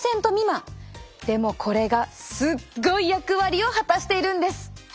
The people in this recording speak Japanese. でもこれがすっごい役割を果たしているんです。